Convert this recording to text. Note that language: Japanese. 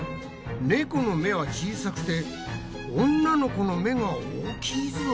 猫の目は小さくて女の子の目が大きいぞ。